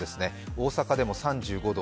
大阪でも３５度。